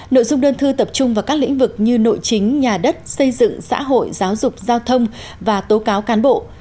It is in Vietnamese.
nội dung đơn thư tập trung vào các lĩnh vực như nội chính nhà đất xây dựng xã hội giáo dục giao thông và tố cáo cán bộ